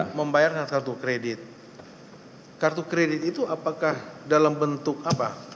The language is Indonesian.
kita membayar dengan kartu kredit kartu kredit itu apakah dalam bentuk apa